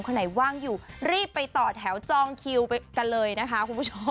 คนไหนว่างอยู่รีบไปต่อแถวจองคิวไปกันเลยนะคะคุณผู้ชม